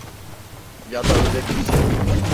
Ya da öyle bir şey.